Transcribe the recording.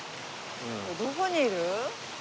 どこにいる？